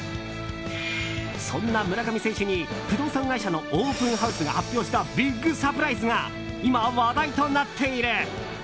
そんな村上選手に不動産会社のオープンハウスが発表したビッグサプライズが今、話題となっている。